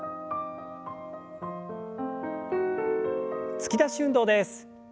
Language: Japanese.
突き出し運動です。